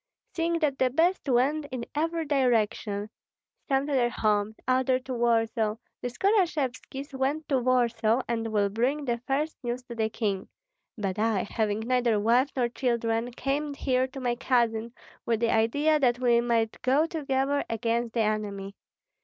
Seeing that the best went in every direction, some to their homes, others to Warsaw, the Skorashevskis went to Warsaw, and will bring the first news to the king; but I, having neither wife nor children, came here to my cousin, with the idea that we might go together against the enemy.